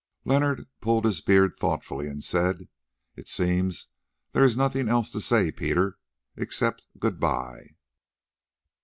Leonard pulled his beard thoughtfully and said: "It seems there is nothing else to say, Peter, except good bye."